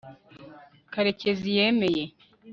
karekezi yemeye